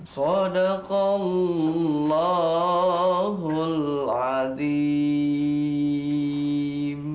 sholat allahul adzim